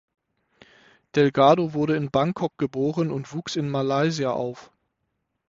Delgado wurde in Bangkok geboren und wuchs in Malaysia auf.